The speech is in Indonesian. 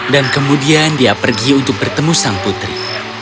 dan kemudian dia pergi untuk bertemu sang putri